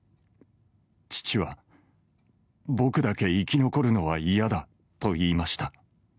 父は、僕だけ生き残るのは嫌だと言いました。